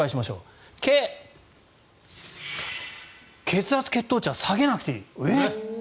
「血圧、血糖値は下げなくていい」。